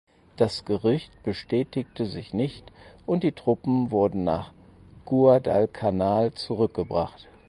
Das Gerücht bestätigte sich nicht und die Truppen wurde nach Guadalcanal zurück gebracht.